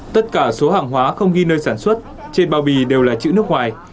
tất cả số hàng hóa không ghi nơi sản xuất trên bao bì đều là chữ nước ngoài